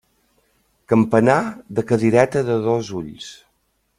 Campanar de cadireta de dos ulls.